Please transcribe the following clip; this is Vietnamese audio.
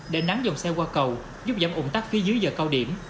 để nắng dòng xe qua cầu giúp giảm ủng tắc phía dưới giờ cao điểm